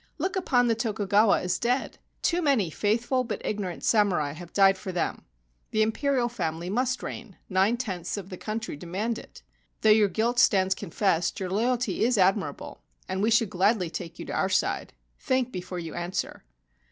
Look upon the Tokugawa as dead. Too many faithful but ignorant samurai have died for them. The Imperial family must reign : nine tenths of the country demand it. Though your guilt stands confessed, your loyalty is admirable, and we should gladly take you to our side. Think before you answer.'